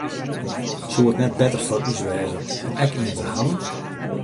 Soe it net better foar ús wêze om ek ien te hawwen?